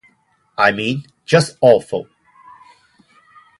I mean, just awful.